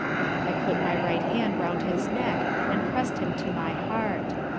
I put my right hand round his neck, and prest him to my heart.